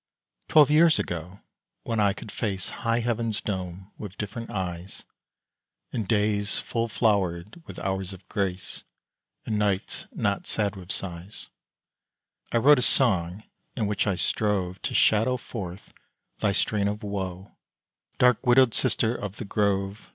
Twelve years ago, when I could face High heaven's dome with different eyes In days full flowered with hours of grace, And nights not sad with sighs I wrote a song in which I strove To shadow forth thy strain of woe, Dark widowed sister of the grove!